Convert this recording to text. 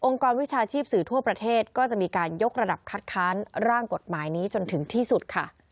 กรวิชาชีพสื่อทั่วประเทศก็จะมีการยกระดับคัดค้านร่างกฎหมายนี้จนถึงที่สุดค่ะ